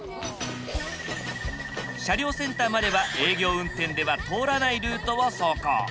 車両センターまでは営業運転では通らないルートを走行。